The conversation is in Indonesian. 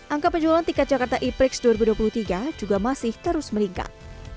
angka penjualan tiket jakarta e prix dua ribu dua puluh tiga juga masih terus meningkat